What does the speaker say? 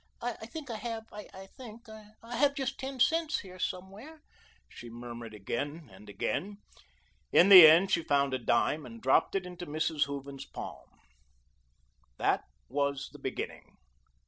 "I think I have I think I have just ten cents here somewhere," she murmured again and again. In the end, she found a dime, and dropped it into Mrs. Hooven's palm. That was the beginning.